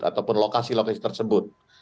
ataupun lokasi lokasi tersebut